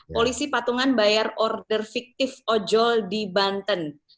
polisi patungan bayar order fiktif ojol di banten